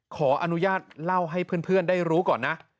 ขออนุญาตเล่าให้เพื่อนได้รู้ก่อนนะ